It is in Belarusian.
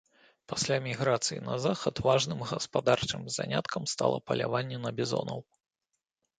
Пасля міграцыі на захад важным гаспадарчым заняткам стала паляванне на бізонаў.